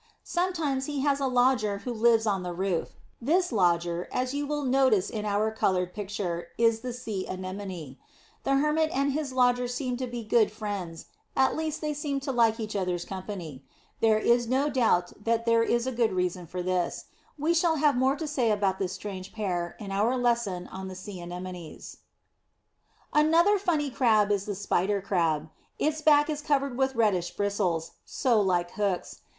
Sometimes he has a lodger who lives on the roof. This lodger, as you will notice in our coloured picture, is the sea anemone. The Hermit and his lodger seem to be good friends, at least they seem to like each other's company. There is no doubt that there are good reasons for this. We shall have more to say about this strange pair in our lesson on the sea anemones. [Illustration: HERMIT CRAB IN WHELK'S SHELL.] Another funny Crab is the Spider Crab. Its back is covered with reddish bristles, like so many hooks.